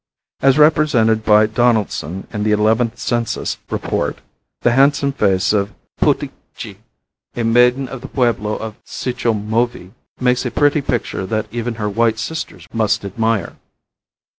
As represented by Donaldson in the eleventh census report the handsome face of Pootitcie, a maiden of the pueblo of Sichomovi, makes a pretty picture that even her white sisters must admire.